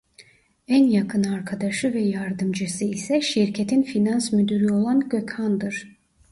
En yakın arkadaşı ve yardımcısı ise şirketin finans müdürü olan Gökhan'dır.